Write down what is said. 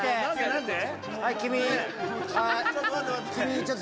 何で？